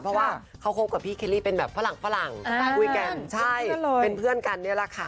เพราะว่าเขาคบกับพี่เคลลี่เป็นแบบฝรั่งฝรั่งคุยกันใช่เป็นเพื่อนกันนี่แหละค่ะ